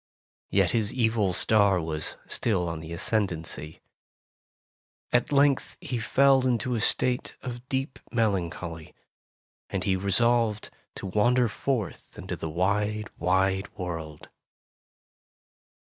Yet his evil star was still in the ascend ancy. At length he fell into a state of deep melancholy, and he resolved to wander forth into the wide, wide world.